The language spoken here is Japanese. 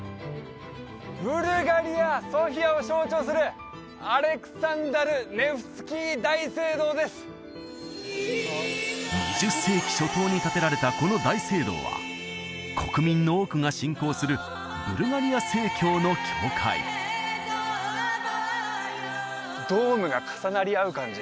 ブルガリアソフィアを象徴する２０世紀初頭に建てられたこの大聖堂は国民の多くが信仰するブルガリア正教の教会ドームが重なり合う感じ